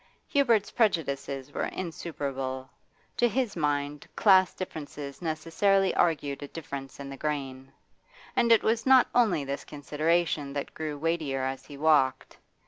Hubert's prejudices were insuperable; to his mind class differences necessarily argued a difference in the grain. And it was not only this consideration that grew weightier as he walked.